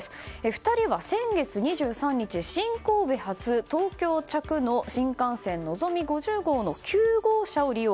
２人は、先月２３日新神戸発、東京着の新幹線「のぞみ５０号」の９号車を利用。